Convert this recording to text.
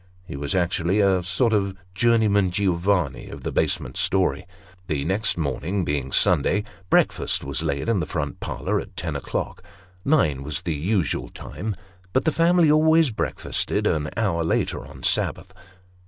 He was actually a sort of journeyman Giovanni of the basement story. The next morning, being Sunday, breakfast was laid in the front parlour at ten o'clock. Nine was the usual time, but the family always breakfasted an hour later on sabbath.